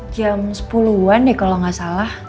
jam sepuluh an deh kalo gak salah